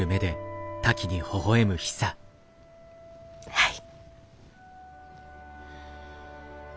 はい。